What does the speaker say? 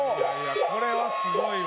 これはすごいわ。